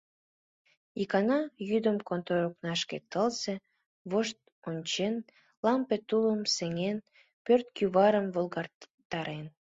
Икана йӱдым контор окнашке тылзе вошт ончен, лампе тулым сеҥен, пӧрт кӱварым волгалтарен.